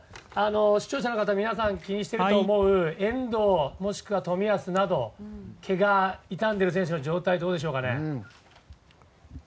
視聴者の方、皆さん気にしてると思う遠藤、もしくは冨安などけが、痛んでいる選手の状態はどうでしょうかね。